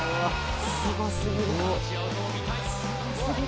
すごすぎる。